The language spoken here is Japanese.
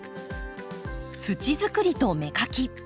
土づくりと芽かき。